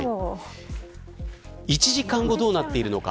１時間後どうなっているのか。